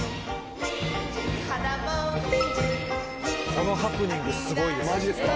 このハプニングすごいですよ。